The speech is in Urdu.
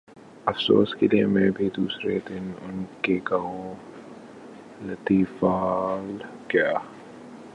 افسوس کیلئے میں بھی دوسرے دن ان کے گاؤں لطیفال گیا۔